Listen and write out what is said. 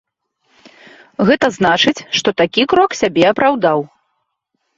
Гэта значыць, што такі крок сябе апраўдаў.